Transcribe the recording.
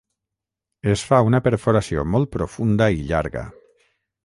Es fa una perforació molt profunda i llarga.